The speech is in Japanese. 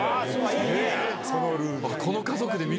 そのルール。